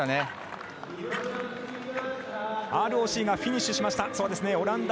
ＲＯＣがフィニッシュしました。